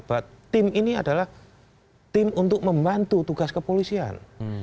bahwa tim ini adalah tim untuk membantu tugas kepolisian